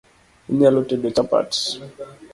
Inyalo tedo chapat